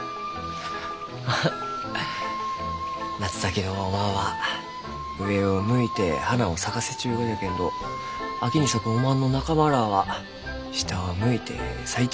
ハハッ夏咲きのおまんは上を向いて花を咲かせちゅうがじゃけんど秋に咲くおまんの仲間らあは下を向いて咲いちゅうのが多いのう。